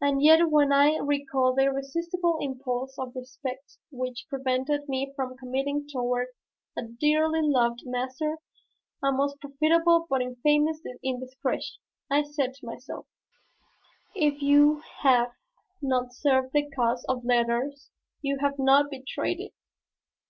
And yet when I recall the irresistible impulse of respect which prevented me from committing toward a dearly loved master a most profitable but infamous indiscretion, I say to myself, "If you have not served the cause of letters, you have not betrayed it."